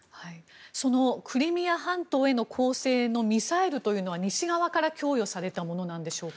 そのクリミア半島への攻勢のミサイルというのは西側から供与されたものなんでしょうか。